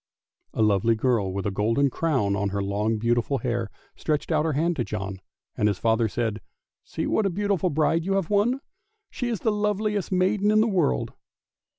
A lovely girl with a golden crown on her long, beautiful hair, stretched out her hand to John, and his father said, " See what a beautiful bride you have won. She is the loveliest maiden in the world."